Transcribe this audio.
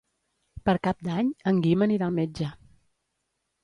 Per Cap d'Any en Guim anirà al metge.